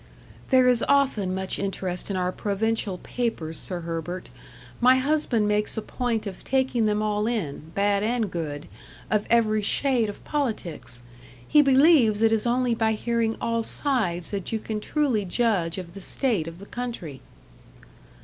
"There is often much interest in our provincial papers, Sir Herbert. My husband makes a point of taking them all in bad and good of every shade of politics. He believes it is only by hearing all sides that you can truly judge of the state of the country."